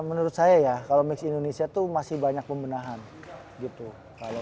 menurut saya ya kalau misi indonesia itu masih banyak pembenahan gitu kalau